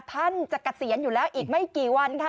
ท่านจะเกษียณอยู่แล้วอีกไม่กี่วันค่ะ